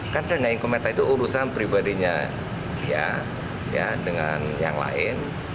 kan saya nggak ingin komentar itu urusan pribadinya dia dengan yang lain